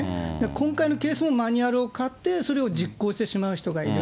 今回のケースもマニュアルを買って、それを実行してしまう人がいる。